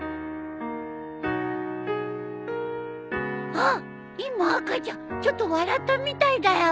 あっ今赤ちゃんちょっと笑ったみたいだよ。